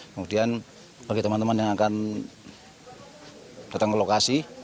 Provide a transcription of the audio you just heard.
kemudian bagi teman teman yang akan datang ke lokasi